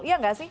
iya gak sih